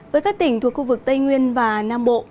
với các tỉnh thuộc khu vực tây nguyên và nam bộ